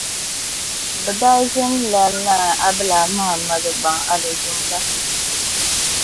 Bɛ daa ʒilila Naa Abdulai Mahamadu gbaŋ Alizumba